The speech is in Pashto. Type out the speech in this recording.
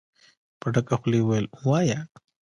په ډکه خوله يې وويل: وايه!